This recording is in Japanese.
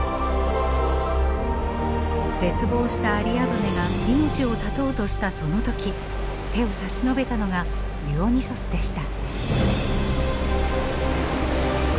絶望したアリアドネが命を絶とうとしたその時手を差し伸べたのがディオニュソスでした。